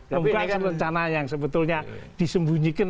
tapi ini kan rencana yang sebetulnya disembunyikan